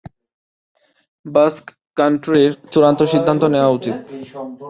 বাস্ক কান্ট্রির চূড়ান্ত সিদ্ধান্ত নেয়া উচিত।